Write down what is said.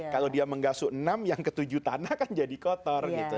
kalau dia menggasuk enam yang ketujuh tanah kan jadi kotor gitu